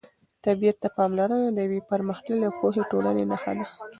طبیعت ته پاملرنه د یوې پرمختللې او پوهې ټولنې نښه ده.